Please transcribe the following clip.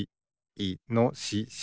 いのしし。